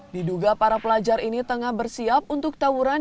diduga para pelajar ini tengah bersiap untuk tawuran